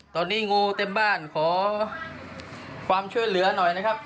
ตอนนี้งูเต็มบ้านขอความช่วยเหลือหน่อยนะครับ